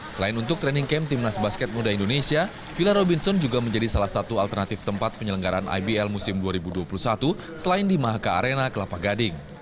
selain untuk training camp timnas basket muda indonesia villa robinson juga menjadi salah satu alternatif tempat penyelenggaran ibl musim dua ribu dua puluh satu selain di mahaka arena kelapa gading